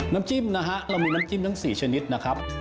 น้ำจิ้มนะฮะเรามีน้ำจิ้มทั้ง๔ชนิดนะครับ